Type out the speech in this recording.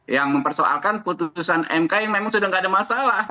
yang mempersoalkan putusan mkmk memang sudah tidak ada masalah